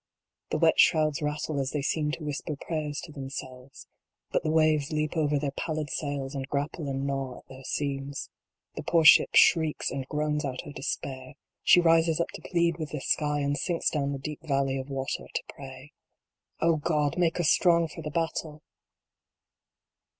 The wet shrouds rattle as they seem to whisper prayers to themselves ; But the waves leap over their pallid sails, and grapple and gnaw at their seams. The poor Ship shrieks and groans out her despair. She rises up to plead with the sky, and sinks down the deep valley of water to pray. O God, make us strong for the battle